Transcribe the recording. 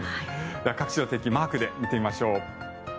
各地の天気マークで見ていきましょう。